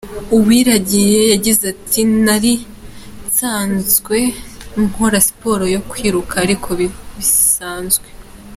Uwiragiye yagize ati “Nari nsanzwe nkora siporo yo kwiruka ariko bisanzwe.